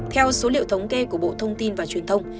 theo số liệu thống kê của bộ thông tin và truyền thông